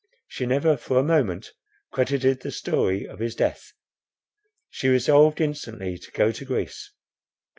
She never for a moment credited the story of his death; she resolved instantly to go to Greece.